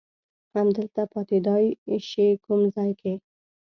همدلته پاتېدای شې، کوم ځای کې؟